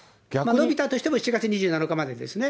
延びたとしても、７月２７日までですね。